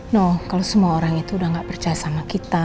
no kalau semua orang itu udah gak percaya sama kita